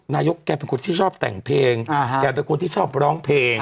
แกเป็นคนที่ชอบแต่งเพลงแกเป็นคนที่ชอบร้องเพลง